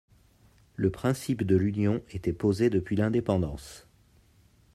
Le principe de l'union était posé depuis l'indépendance.